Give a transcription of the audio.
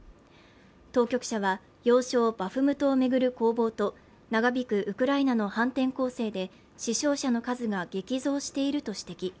当局者は要衝バフムト巡る攻防と長引くウクライナの反転攻勢で死傷者の数が激増していると指摘